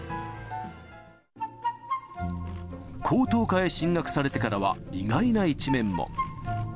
高等科へ進学されてからは、意外な一面も。